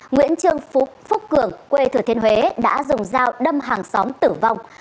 nguyễn trương phúc cường quê thừa thiên huế đã dùng dao đâm hàng xóm tử vong